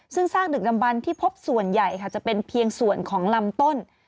ซึ่งซากดึกดำบันที่พบส่วนใหญ่ค่ะจะเป็นเพียงส่วนของลำต้น